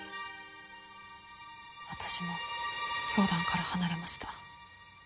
私も教団から離れました。